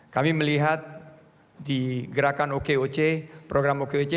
kami melihat di gerakan okoc program okoc